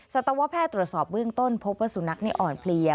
สัตวแพทย์ตรวจสอบเบื้องต้นพบว่าสุนัขนี่อ่อนเพลีย